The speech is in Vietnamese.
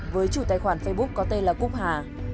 với chủ tài khoản facebook có tên là cúc hà